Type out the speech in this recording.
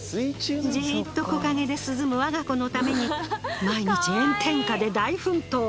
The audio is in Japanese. じーっと木陰で涼む我が子のために毎日炎天下で大奮闘！